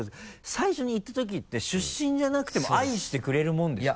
最初に行ったときって出身じゃなくても愛してくれるものですか？